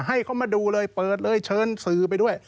ให้เขามาดูเลยเปิดเลยเชิญสื่อไปด้วย